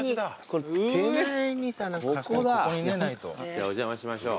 じゃあお邪魔しましょう。